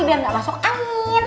biar gak masuk angin